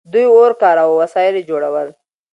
دوی اور کاراوه او وسایل یې جوړول.